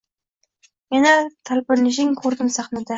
Yana tolpinishing ko’rdim sahnada…